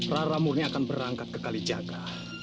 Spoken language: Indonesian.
rara murni akan berangkat ke kalijaga